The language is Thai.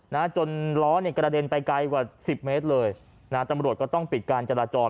นะจนล้อเนี่ยกระเด็นไปไกลกว่าสิบเมตรเลยนะฮะตำรวจก็ต้องปิดการจราจร